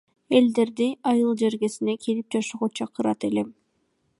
Элдерди айыл жергесине келип жашоого чакырат элем.